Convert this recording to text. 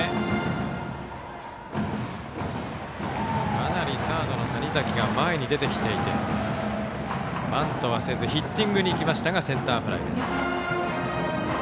かなりサードの谷嵜が前に出てきていてバントはせずヒッティングに行きましたがセンターフライでした。